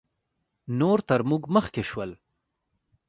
نور تر موږ مخکې شول